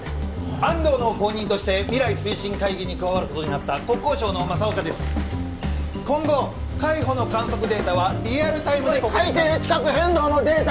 安藤の後任として未来推進会議に加わることになった国交省の正岡です今後海保の観測データはリアルタイムで海底地殻変動のデータ